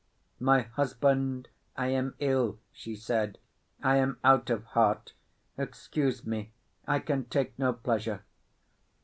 "My husband, I am ill," she said. "I am out of heart. Excuse me, I can take no pleasure."